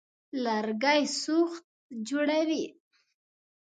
لرګي سوخت جوړوي.